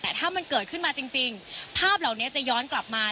แต่ถ้ามันเกิดขึ้นมาจริงภาพเหล่านี้จะย้อนกลับมา